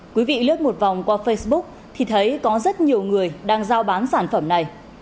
quý vị lướt một vòng qua facebook thì thấy có rất nhiều người đang giao bán sản phẩm này